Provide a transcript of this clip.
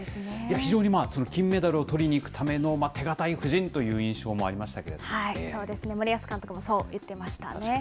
非常に金メダルをとりに行くための手堅い布陣という印象もあそうですね、森保監督も、そう言ってましたね。